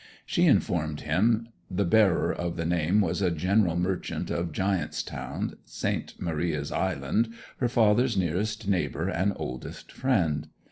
She informed him the bearer of the name was a general merchant of Giant's Town, St. Maria's island her father's nearest neighbour and oldest friend.